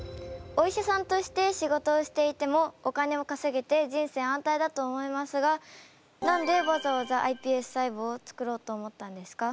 お医者さんとして仕事をしていてもお金をかせげて人生安泰だと思いますがなんでわざわざｉＰＳ細胞を作ろうと思ったんですか？